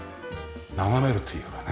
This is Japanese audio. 眺めるというかね